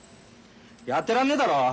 やってらんねえだろ！？